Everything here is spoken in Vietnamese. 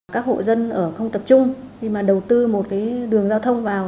các hộ dân ở không tập trung khi mà đầu tư một cái đường giao thông vào